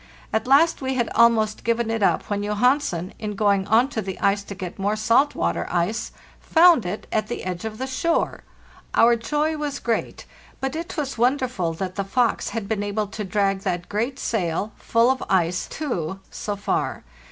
At last we had almost given it up when Johansen, in going on to the ice to get more salt water ice, found it at the edge of the shore. Our joy was great ; but it was wonderful that the fox had been able to drag that great sail, full of ice too, so far.